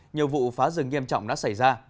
nhiều vụ phá rừng nghiêm trọng đã xảy ra